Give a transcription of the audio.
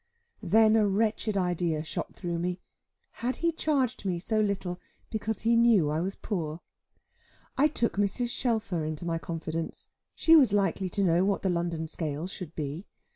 Then a wretched idea shot through me: had he charged me so little, because he knew I was poor? I took Mrs. Shelfer into my confidence; she was likely to know what the London scale should be.